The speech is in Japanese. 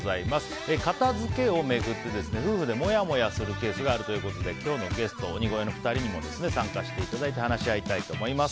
片付けを巡って夫婦でもやもやするケースがあるということですが今日のゲスト鬼越の２人にも参加していただき話し合いたいと思います。